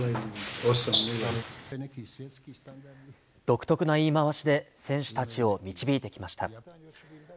独特な言い回しで、選手たちを導いてきました。